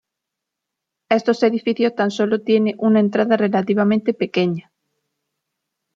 Estos edificios tan sólo tiene una entrada relativamente pequeña.